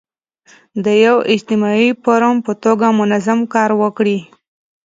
د یو اجتماعي فورم په توګه منظم کار وکړي.